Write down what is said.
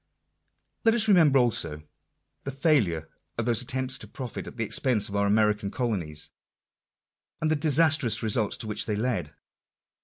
Let us remember also, the failure of those attempts to profit at the expense of our American colonies ; and the disastrous results to which they led.